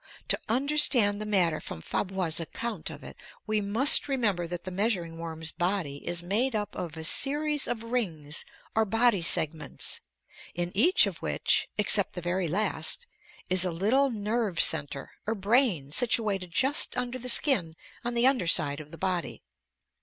To understand the matter from Fabre's account of it, we must remember that the measuring worm's body is made up of a series of rings or body segments, in each of which (except the very last) is a little nerve center or brain situated just under the skin on the under side of the body.